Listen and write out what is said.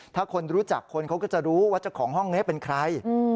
ถ้าคนรู้จักคนเขาก็จะรู้ว่าเจ้าของห้องนี้เป็นใคร